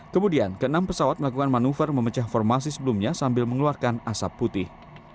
kemudian keenam pesawat melakukan manuver memecah formasi sebelumnya sambil mengeluarkan asap putih